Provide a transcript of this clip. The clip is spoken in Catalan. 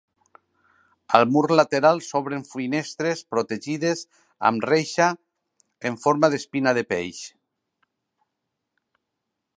Al mur lateral s'obren finestres protegides amb reixa en forma d'espina de peix.